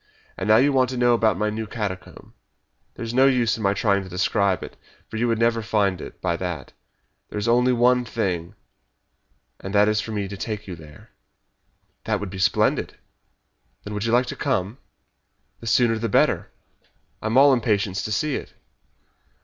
And now you want to know about my new catacomb. There's no use my trying to describe it, for you would never find it by that. There is only one thing, and that is for me to take you there." "That would be splendid." "When would you like to come?" "The sooner the better. I am all impatience to see it."